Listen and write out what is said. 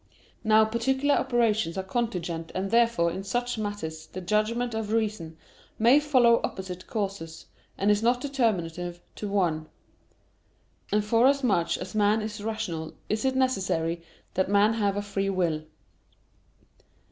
Now particular operations are contingent, and therefore in such matters the judgment of reason may follow opposite courses, and is not determinate to one. And forasmuch as man is rational is it necessary that man have a free will.